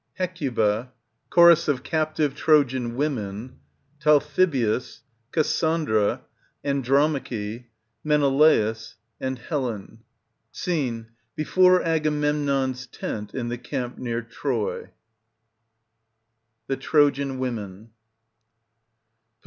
Hecuba. Chorus of Captive Trojan Women. Talthybius. Cassandra. Andromache. Menelaus. Helen. Scene.— Before Agamemnon's Tent in the Camp near Troy. Digitized by VjOOQ IC / THE TROJAN WOMEN. Pos.